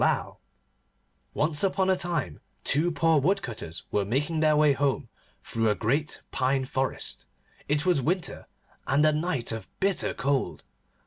ASQUITH] ONCE upon a time two poor Woodcutters were making their way home through a great pine forest. It was winter, and a night of bitter cold.